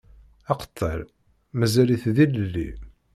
Aqettal mazal-it d ilelli.